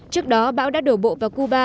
trước đó bão đã đổ bộ vào cuba